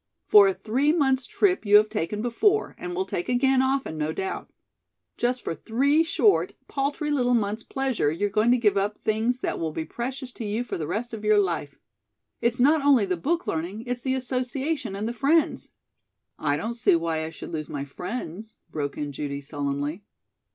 For a three months' trip you have taken before, and will take again often, no doubt. Just for three short, paltry little months' pleasure, you're going to give up things that will be precious to you for the rest of your life. It's not only the book learning, it's the associations and the friends " "I don't see why I should lose my friends," broke in Judy sullenly.